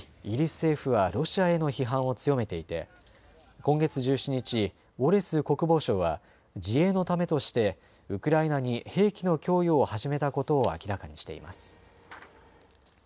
イギリス政府はロシアへの批判を強めていて今月１７日、ウォレス国防相は自衛のためとしてウクライナに兵器の供与を始めたことを明らかにしています。